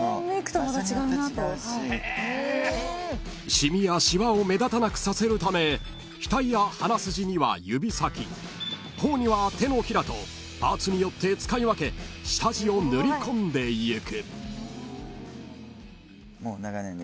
［染みやしわを目立たなくさせるため額や鼻筋には指先頬には手のひらとパーツによって使い分け下地を塗り込んでゆく］